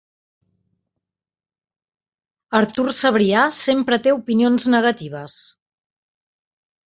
Artur Cebrià sempre té opinions negatives.